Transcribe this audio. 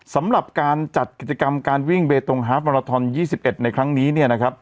สำหรับการจัดกิจกรรมการวิ่งเบตตงฮาร์ฟมาลาทอน๒๑ในครั้งนี้